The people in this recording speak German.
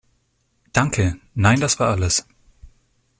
Danke, nein das war alles.